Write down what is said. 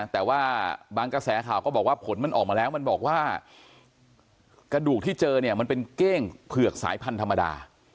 แต่ว่าบางกระแสข่าวก็บอกว่าผลมันออกมาแล้วมันบอกว่ากระดูกที่เจอเนี่ยมันเป็นเก้งเผือกสายพันธุ์ธรรมดา